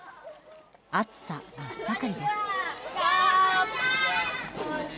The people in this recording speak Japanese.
暑さ真っ盛りです。